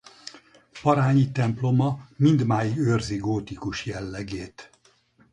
Parányi temploma mindmáig őrzi gótikus jellegét.